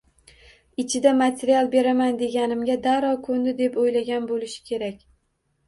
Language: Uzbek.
Ichida Material beraman deganimga darrov ko`ndi deb o`ylagan bo`lishi kerak